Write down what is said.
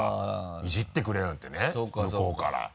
イジってくれるなんてね向こうから。